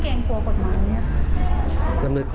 เขาก็ดูเหมือนไม่เกร็งกลัวกฎหมายอย่างนี้